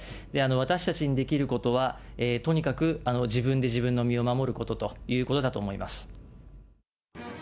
私たちにできることは、とにかく自分で自分の身を守るということだと思います。